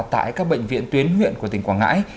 tại các bệnh viện tuyến huyện của tỉnh quảng ngãi